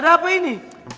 ada apa ini